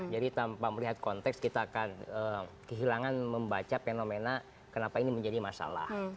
jadi tanpa melihat konteks kita akan kehilangan membaca fenomena kenapa ini menjadi masalah